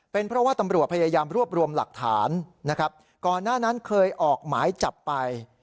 เป็นเพราะว่าตำรวจพยายามรวบรวมหลักฐานนะครับก่อนหน้านั้นเคยออกหมายจับไป